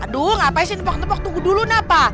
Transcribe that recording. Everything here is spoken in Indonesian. aduh ngapain sih tepok tepok tunggu dulu napa